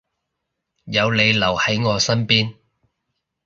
有你留喺我身邊